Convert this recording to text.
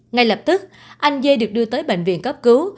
ngay lập tức anh dê được đưa tới bệnh viện cấp cứu